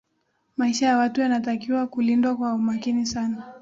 maisha ya watu yanatakiwa kulindwa kwa umakini sana